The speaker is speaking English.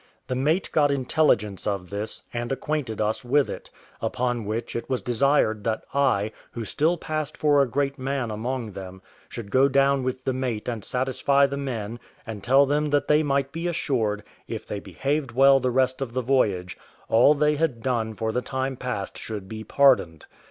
The mate got intelligence of this, and acquainted us with it, upon which it was desired that I, who still passed for a great man among them, should go down with the mate and satisfy the men, and tell them that they might be assured, if they behaved well the rest of the voyage, all they had done for the time past should be pardoned.